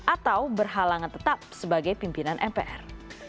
atau berhalangan tetap sebagai pimpinan mpr